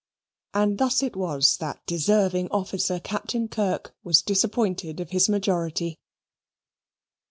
And thus it was that deserving officer, Captain Kirk, was disappointed of his majority.